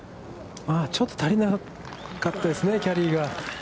ちょっと足りなかったですね、キャリーが。